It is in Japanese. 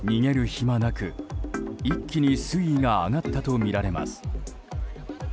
暇なく、一気に水位が上がったとみられます。